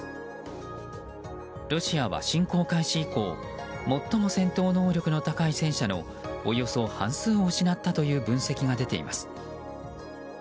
ロシアは侵攻開始以降最も戦闘能力の高い戦車のおよそ半数を失ったという分析が出ています。